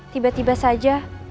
tiba tiba saja